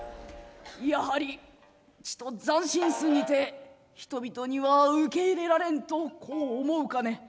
「やはりちと斬新すぎて人々には受け入れられんとこう思うかね？」。